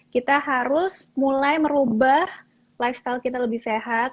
kita harus mulai merubah lifestyle kita lebih sehat